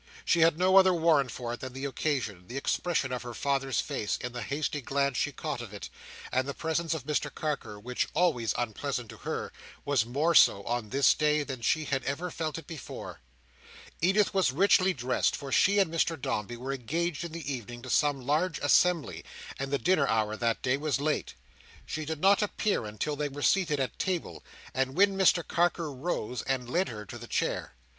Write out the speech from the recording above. She had no other warrant for it, than the occasion, the expression of her father's face, in the hasty glance she caught of it, and the presence of Mr Carker, which, always unpleasant to her, was more so on this day, than she had ever felt it before. Edith was richly dressed, for she and Mr Dombey were engaged in the evening to some large assembly, and the dinner hour that day was late. She did not appear until they were seated at table, when Mr Carker rose and led her to her chair.